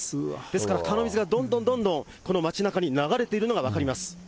ですから川の水がどんどんどんどんこの町なかに流れているのが分かります。